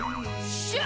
っしゃあ！